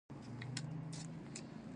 غلطي بد دی.